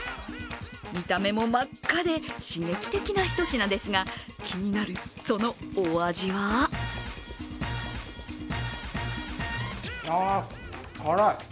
見た目も真っ赤で刺激的な一品ですが、気になるそのお味はあ、辛い。